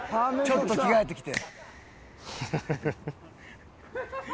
“ちょっと着替えてきて”」